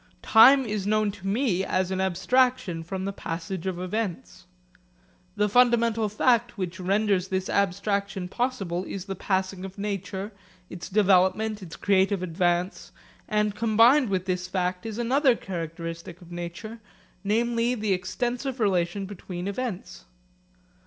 Time is known to me as an abstraction from the passage of events. The fundamental fact which renders this abstraction possible is the passing of nature, its development, its creative advance, and combined with this fact is another characteristic of nature, namely the extensive relation between events.